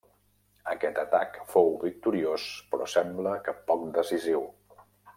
Aquest atac fou victoriós però sembla que poc decisiu.